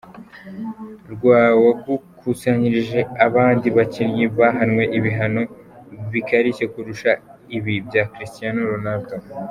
rw, wagukusanyirije abandi bakinnyi bahanwe ibihano bikarishye kurusha ibi bya Cristiano Ronaldo.